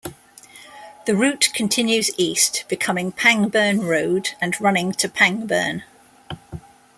The route continues east, becoming Pangburn Road and running to Pangburn.